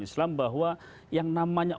islam bahwa yang namanya